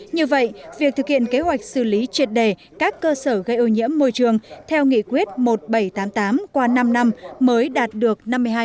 như vậy việc thực hiện kế hoạch xử lý triệt đề các cơ sở gây ô nhiễm môi trường theo nghị quyết một nghìn bảy trăm tám mươi tám qua năm năm mới đạt được năm mươi hai